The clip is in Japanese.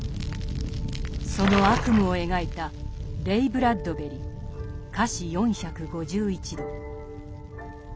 その悪夢を描いたレイ・ブラッドベリ「華氏４５１度」。